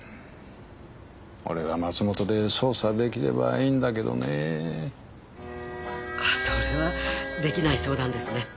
俺が松本で捜査できればいいんだけどねぇそれはできない相談ですね